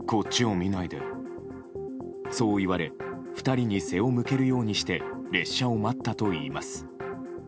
そう言われ２人に背を向けるようにして列車を待ったといいます。